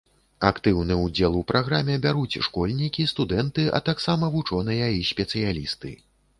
Актыўны ўдзел у праграме бяруць школьнікі, студэнты, а таксама вучоныя і спецыялісты.